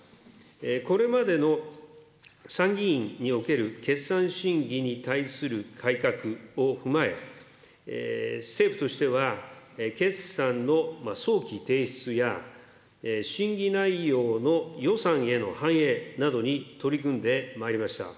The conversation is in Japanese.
これまでの参議院における決算審議に対する改革を踏まえ、政府としては決算の早期提出や、審議内容の予算への反映などに取り組んでまいりました。